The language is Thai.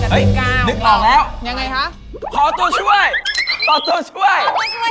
เฮ้ยนึกผ่านแล้วยังไงคะขอตัวช่วยขอตัวช่วยขอตัวช่วยด้วย